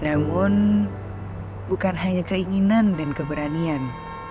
namun bukan hanya keinginan dan keberanian